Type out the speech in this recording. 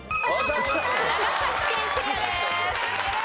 長崎県クリアです。